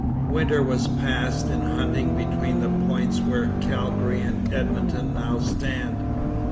Winter was passed in hunting between the points where Calgary and Edmonton now stand.